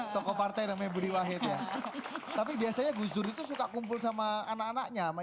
toko partai namanya budi wahid ya tapi biasanya gusdur itu suka kumpul sama anak anaknya ama